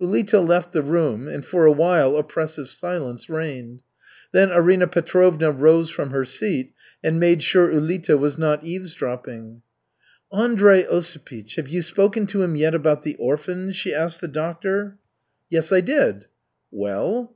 Ulita left the room, and for a while oppressive silence reigned. Then Arina Petrovna rose from her seat and made sure Ulita was not eavesdropping. "Andrey Osipych, have you spoken to him yet about the orphans?" she asked the doctor. "Yes, I did." "Well?"